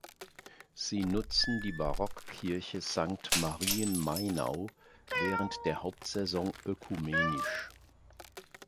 Sie nutzen die Barockkirche Sankt Marien Mainau während der Hauptsaison ökumenisch.